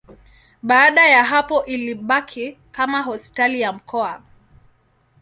Baada ya hapo ilibaki kama hospitali ya mkoa.